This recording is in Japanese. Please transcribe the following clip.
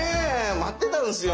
待ってたんすよ。